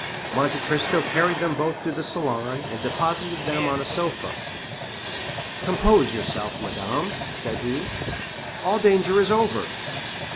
Monte Cristo carried them both to the salon, and deposited them on a sofa. "Compose yourself, madame," said he; "all danger is over."